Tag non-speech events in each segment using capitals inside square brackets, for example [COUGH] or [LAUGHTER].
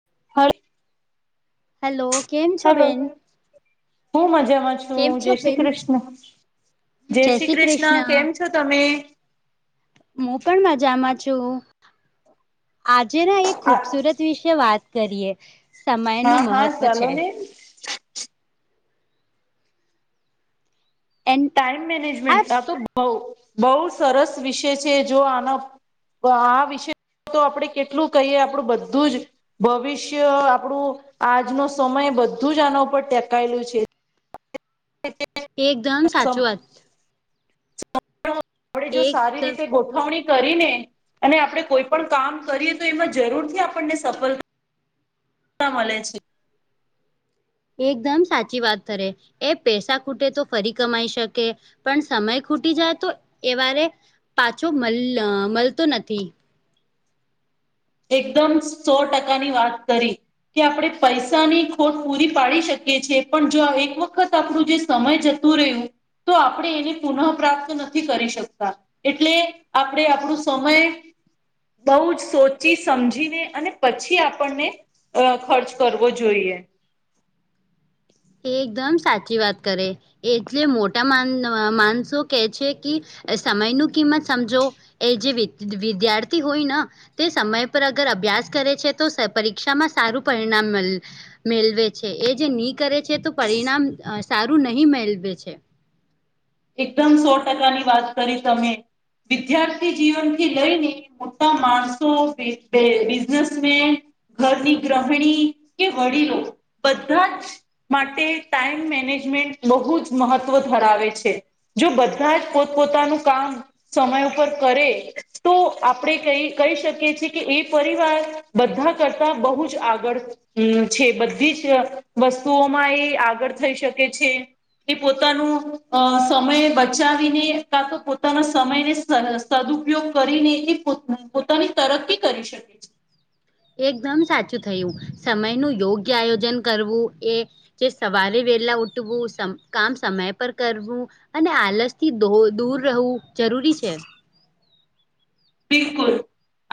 [UNINTELLIGIBLE] હાલો કેમ છે હલો બેન? હું મજામાં કેમ છું જય છો શ્રી બેન કૃષ્ણ, જય શ્રી કૃષ્ણ કેમ છો તમે? હું પણ મજામાં છું. આજેના એક હા ખુબસુરત વિશે વાત કરીએ. સમય નું હા મહત્વ ચાલો છે. ને એ ટાઈમ મેનેજમેન્ટ, આ તો બ બહુ સરસ વિષય છે જો આના તો આ વિષે તો આપડે કેટલું કહીએ આપડું બધું જ ભવિષ્ય, આપણું આજનો સમય બધું જ આના ઉપર ટેકાયેલું છે. એકદમ સાચું વાત. [INAUDIBLE] આપડે જો એક સારી રીતે ગોઠવણી કરીને અને આપણે કોઈ પણ કામ કરીએ તો એમાં જરૂર થી આપણને સફળ તા મળે છે. એકદમ સાચી વાત કરે. એ પૈસા ખૂટે તો ફરી કમાઈ શકે પણ સમય ખૂટી જાય તો એ વારે પાછો મળ મળતો નથી. એકદમ સો ટકા ની વાત કરી. કે આપણે પૈસાની ખોટ પૂરી પાડી શકીએ છેએ. પણ જો એક વખત આપણું જે સમય જતું રહ્યું તો આપણે એને પુનઃ પ્રાપ્ત નથી કરી શકતા. એટલે આપડે આપણું સમય બહુ જ સોચ ચી સમજીને અને પછી આપણને અ ખર્ચ કરવો જોઈએ. એકદમ સાચી વાત કરે. એટલે મોટા માન માન શું કે છે કી સમયનું કિંમત સમજો. એ જે વી વિદ્યાર્થી હોય ન તે સમય પર અગર અભ્યાસ કરે છે તો પરીક્ષામાં સારું પરિણામ મલ મેલવે છે. એ જે ની કરે છે તો પરિણામ સારું નહી મેલવે છે. એકદમ સો ટકા ની વાત કરી તમે. વિદ્યાર્થી જીવનથી લઈને મોટા માણસો, બિઝ બિઝનેસમેન ઘરની ગ્રહણી કે વડીલો બધાં જ માટે ટાઈમ મેનેજમેન્ટ બહુ જ મહત્વ ધરાવે છે. જો બધાં જ પોતપોતાનું કામ સમય ઉપર કરે તો આપણે કઈ કહી શકીએ છીએ કે એ પરિવાર બધાં કરતા બહુ જ આગળ હમ છે બધી જ વસ્તુઓમાં એ આગળ થઈ શકે છે. એ પોતાનું અ સમય બચાવીને કા તો પોતાના સમયને સ સદુપયોગ કરીને એ પોત પોતાની તરકી કરી શકે છે. એકદમ સાચું થયું. સમયનું યોગ્ય આયોજન કરવું એ જે સવારે વેલા ઉઠવું, સમ કામ સમય પર કરવું. અને આલસથી દો દૂર રહવું જરૂરી છે. બિલકુલ.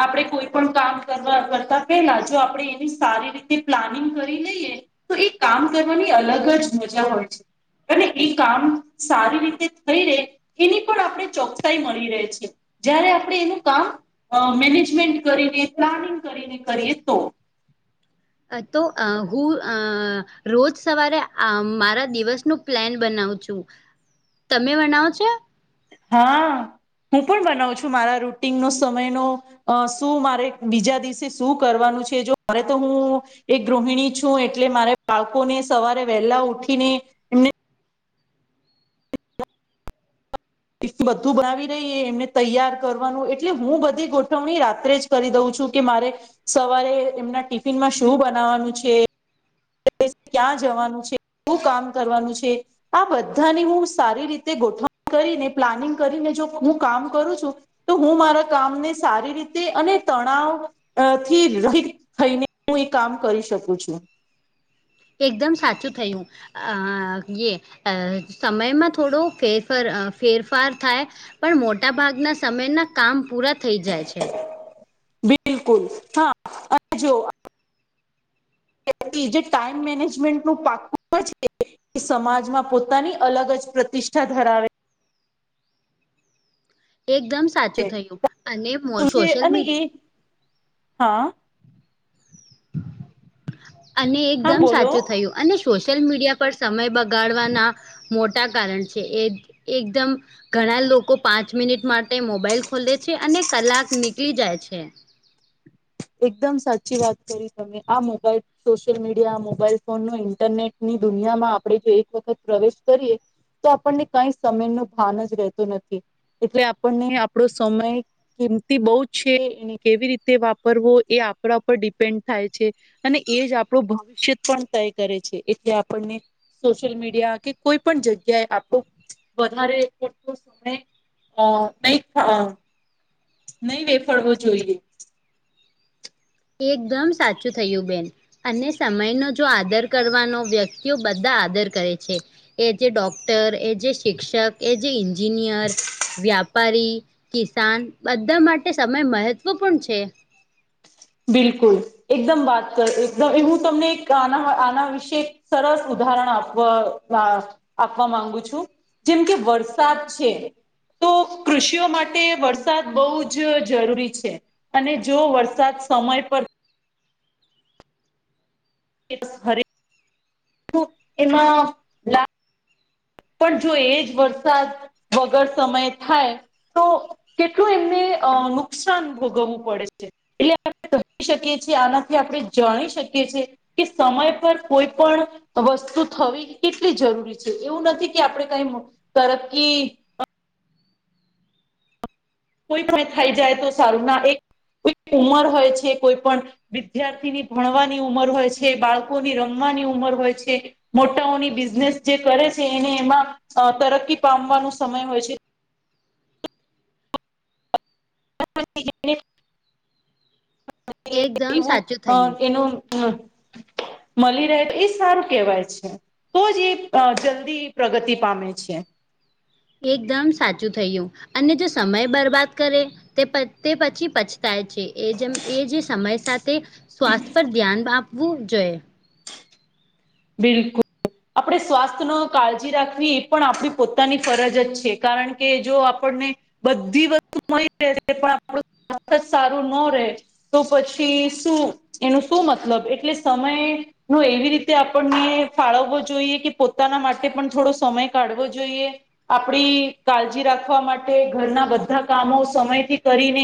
આપણે કોઈ પણ કામ કરવા કરતા પેલા જો આપણે એવી સારી રીતે પ્લાનિંગ કરી લઈએ. તો ઈ કામ કરવાની અલગ જ મજા હોય છે. અને એ કામ સારી રીતે થઈ રે એની પણ આપણે ચોકસાઈ મળી રહે છે. જયારે આપણે એનું કામ અ મેનેજમેન્ટ કરીને, પ્લાનિંગ કરીને કરીએ તો. અ તો અ હું અ રોજ સવારે આમ મારા દિવસનું પ્લેન બનાવું છું. તમે બનાવો છો? હા હું પણ બનાવું છું મારા રૂટીનનો, સમયનો અ શું મારે બીજા દિવસે શું કરવાનું છે. જો હવે તો હું એક ગૃહિણી છું એટલે મારે બાળકોને સવારે વહેલા ઉઠીને એમને એ બધું બનાવી દઈએ, એમને તૈયાર કરવાનું એટલે હું બધી ગોઠવણી રાત્રે જ કરી દઉં છું કે મારે સવારે એમના ટિફિનમાં શું બનાવાનું છે. ક્યાં જવાનું છે, શું કામ કરવાનું છે. આ બધાની હું સારી રીતે ગોઠવણ કરીને, પ્લાનિંગ કરીને જો હું કામ કરું છું. તો હું મારા કામને સારી રીતે અને તણાવ અ થી રહીત થઈને હું એ કામ કરી શકું છું. એકદમ સાચું થયું. અ યે અ સમયમાં થોડો ફેરફર અ ફેરફાર થાય. પણ મોટા ભાગના સમયના કામ પૂરા થઈ જાય છે. બિલકુલ. હા અને જો વ્યક્તિ જે ટાઈમ મેનેજમેન્ટનું પાકુ હોય છે. એ સમાજમાં પોતાની અલગ જ પ્રતિષ્ઠા ધરાવે એકદમ સાચું છે થયું. અને મો સોશિયલ મીડ હહ અને હા એકદમ બોલો સાચું થયું. અને સોશિયલ મીડિયા પર સમય બગાડવાના મોટા કારણ છે એ એકદમ ઘણા લોકો પાંચ મિનિટ માટે મોબાઈલ ખોલે છે અને કલાક નીકળી જાય છે. એકદમ સાચી વાત કરી તમે આ mobile social media mobile phone નુ ઇન્ટરનેટ ની દુનિયામાં આપણેે એક વખત પ્રવેશ કરીએ તો આપણને કંઈ સમય નુ ભાન જ રહેતું નથી. એટલે આપણને આપડો સમય કિંમતી બહુ જ છે કેવી રીતે વા કરવો એ આપણા પર ડિપેન્ડ થાય છે. અને એ જ આપણો ભવિષ્ય પણ તય કરે છે એટલે આપણને સોશિયલ મીડિયા કે કોઈ પણ જગ્યાએ આપણું વધારે [UNINTELLIGIBLE] ને હા નહી થવાનું. નહી વેફડવો જોઈએ. એકદમ સાચું થયું બેન. અને સમયનો જો આદર કરવાનો વ્યક્તિઓ બધા આદર કરે છે. એ જે ડોક્ટર એ જે શિક્ષક એ જે એન્જિનિયર, વ્યાપા પારી, કિસાન બધા માટે સમય મહત્વપૂર્ણ છે. બિલકુલ. એકદમ વાત કરી એકદમ એ હું તમને એક આના આના વિશે એક સરસ ઉદાહરણ આપવા વા આપવા માંગુ છું જેમ કે વરસાદ છે. તો કૃષિઓ માટે વરસાદ બહુ જ જરૂરી છે. અને જો વરસાદ સમય પર એ બસ હરે નુ એમાં લાભ પણ જો એજ વરસાદ વગર સમય એ થાય. તો કેટલું એમને અ નુકસાન ભોગવવું પડે છે. એટલે આપણે સમજી શકીએ છીએ આનાથી આપણે જાણી શકીએ છીએ. કે સમય પર કોઈ પણ વસ્તુ થવી કેટલી જરૂરી છે એવું નથી. કે આપણે કઈ તરક્કી કોઈ પણ થઈ જાય તો સારું ના એક કોઈક ઉમર હોય છે કોઈ પણ વિદ્યાર્થીની ભણવાની ઉંમર હોય છે બાળકોની રમવાની ઉંમર હોય છે. મોટાઓની બિઝનેસ જે કરે છે એને એમાં તરક્કી પામવાનો સમય હોય છે. [UNINTELLIGIBLE] [INAUDIBLE] એકદમ એવું સાચું અ થયું એનું અ મળી રહે એ સારું કેવાય છે. તો જ એ અ જલ્દી પ્રગતિ પામે છે. એકદમ સાચું થયું અને જો સમય બરબાદ કરે તે પછ તે પછી પછતાય છે એ જેમ એ જે સમય સાથે. સ્વાસ્થ્ય પર ધ્યાન આપવું જોઈએ. બિલકુલ. આપણે સ્વાસ્થ્યનો કાળજી રાખવી એ પણ આપણી પોતાની ફરજ જ છે કારણ કે જો આપણને બધી વસ્તુ મળી જ રહે છે પણ આપણું સ્વાસ્થ્ય જ સારું નો રહેે તો પછી શું એનું શું મતલબ એટલે સમય નો એવી રીતે કે આપણને ફાળવવો જોઈએ કે પોતાના માટે પણ થોડો સમય કાઢવો જોઈએ. આપણી કાળજી રાખવા માટે ઘરના બધા કામો સમયથી કરીને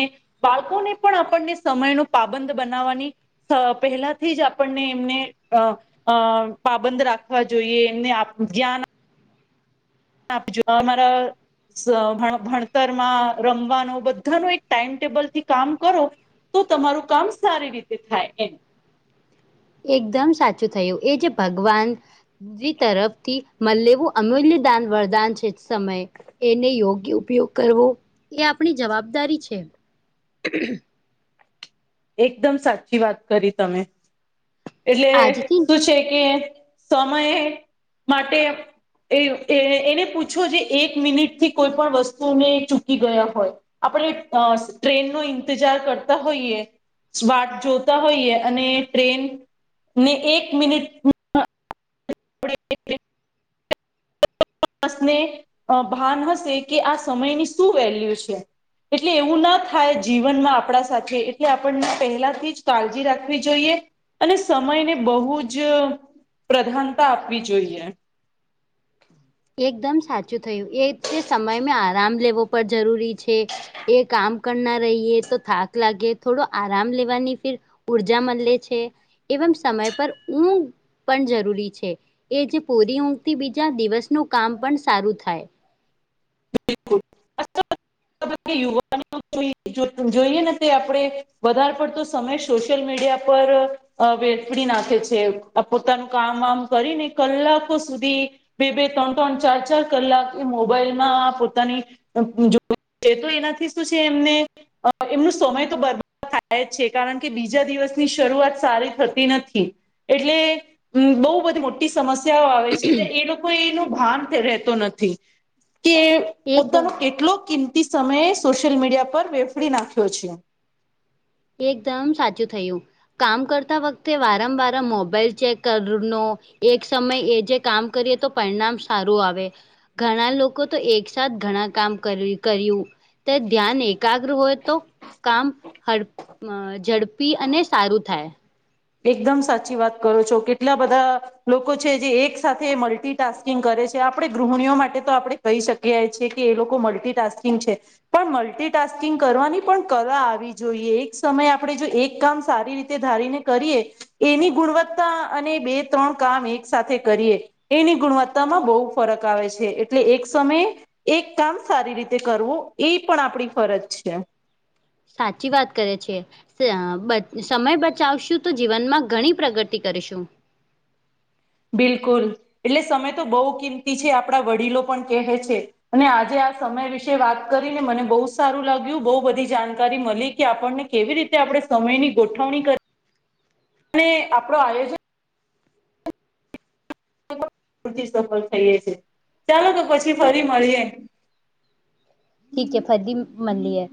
બાળકોને પણ આપણને સમય નુ પાબંદ બનાવવાની. અ પહેલાથી જ આપણને એમને અ અ પાબંદ રાખવા જોઈએ એમને આ જાન આપજો અમારા સ હ ભણતરમાં રમવાનું બધું એક ટાઈમ ટેબલથી કામ કરો તો તમારું કામ સારી રીતે થાય એ એકદમ સાચું થયું એ જે ભગવાન બીજી તરફથી મલેવું અમૂલ્ય દાન વરદાન છે સમય. એને યોગ્ય ઉપયોગ કરવો એ આપણી જવાબદારી છે. એકદમ સાચી વાત કરી તમે. એટલે આજથી શું છે કે સમય માટે એ એને પૂછો જે એક મિનિટથી કોઈ પણ વસ્તુને ચૂકી ગયા હોય. આપણે ટ્રેનનો ઇંતજાર કરતા હોઈએ સ્વાટ જોતા હોઈએ અને ટ્રેનને એક મિનિટ [INAUDIBLE] [INAUDIBLE] સને ભાન હશે કે આ સમયની શું વેલ્યુ છે. એટલે એવું ના થાય જીવનમાં આપણા સાથે એટલે આપણને પહેલાથી જ કાળજી રાખવી જોઈએ. અને સમયને બહુ જ અ પ્રધાનતા આપવી જોઈએ. એકદમ સાચું થયું એ જે સમય મે આરામ લેવો પણ જરૂરી છે, એ કામ કરના રહીએ તો થાક લાગે, થોડો આરામ લેવાની ફીર ઉર્જા મલે છે. એવમ સમય પર ઉ પણ જરૂરી છે. એ જે પૂરી ઊંઘ થી બીજા દિવસનું કામ પણ સારું થાય. [INAUDIBLE] [INAUDIBLE] જોઈએ ને તે આપડે વધારે પડતો સમય સોશિયલ મીડિયા પર અ વેડફી નાખે છે, આ પોતાનું કામ વામ કરીને કલાકો સુધી બે બે ત્રણ ત્રણ ચાર ચાર કલાક એ મોબાઈલ માં પોતાની [UNINTELLIGIBLE] એનાથી શું છે એમને અ એમનું સમય તો બ થાય છે કારણ કે બીજા દિવસની શરૂઆત સારી થતી નથી. એટલે બહુ બધી મોટી ટી સમસ્યાઓ આવે છે એ લોકો એનું ભાન રહેતો નથી. કે એકદમ પોતાનો કેટલો કિંમતી સમય સોશિયલ મીડિયા પર વેફડી નાખ્યો છે. એકદમ સાચું થયું કામ કરતા વખતે વારંવાર મોબાઈલ ચેક કરનો એક સમય એ જે કામ કરીએ તો પરિણામ સારું આવે. ઘણા લોકો તો એકસાથ ઘણા કામ કર્યું કર્યું. તે ધ્યાન એકાગ્ર હોય તો કામ ક અ ઝડપી અને સારું થાય. એકદમ સાચી વાત કરો છો કેટલા બધા લોકો છે જે એક સાથે મલ્ટીટાસ્કિંગ કરે છે. આપણે ગૃહિણીઓ માટે તો આપણે કહી શકીએ છે કે એ લોકો મલ્ટિટાસ્કિંગ છે. પણ મલ્ટિટાસ્કિંગ કરવાની પણ કલા આવી જોઈએ. એક સમયે આપણે જો એક કામ સારી રીતે તે ધારીને કરીએ એની ગુણવત્તા અને બે ત્રણ કામ એક સાથે કરીએ. એની ગુણવત્તામાં બહુ ફરક આવે છે, એટલે એક સમયે એક કામ સારી રીતે કરવું એ પણ આપણી ફરજ છે એમ. સાચી વાત કરે છે. [UNINTELLIGIBLE] સમય બચાવશું તો જીવનમાં ઘણી પ્રગતિ કરીશું. બિલકુલ એટલે સમય તો બહુ કિંમતી છે આપણા વડીલો પણ કહે છે. અને આજે આ સમય વિશે વાત કરીને મને બહુ સારું લાગ્યું બહુ બધી જાણકારી મલી કે આપણને કેવી રીતે આપણે સમયની ગોઠવણી ક [INAUDIBLE] ને આપણો આયોજન [INAUDIBLE] સફળ થઈએ છે. ચાલો તો પછી ફરી મળીએ. ઠીકે ફડી મલીએ.